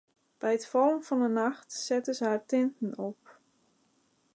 By it fallen fan 'e nacht setten se har tinten op.